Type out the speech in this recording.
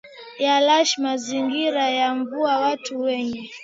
ya lush mazingira ya mvua watu wenye